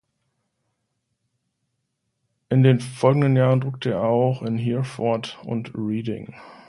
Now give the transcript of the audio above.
In den folgenden Jahren druckte er auch in Hereford und Reading.